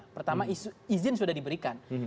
pertama izin sudah diberikan